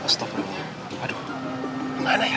stop roomnya aduh mana ya